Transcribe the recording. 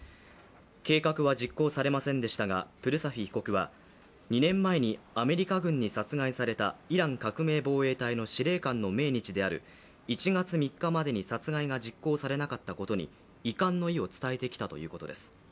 計画は実行されませんでしたが、プルサフィ被告は２年前にアメリカ軍に殺害されたイラン革命防衛隊の司令官の命日である１月３日までに殺害が実行されなかったことに遺憾の意を伝えてきたということです。